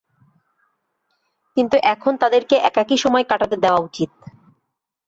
কিন্তু এখন তাদেরকে একাকী সময় কাটাতে দেওয়া উচিত।